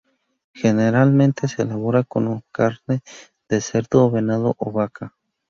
Generalmente se elabora con carne de cerdo o venado, o vaca.